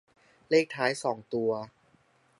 เลขท้ายสองตัว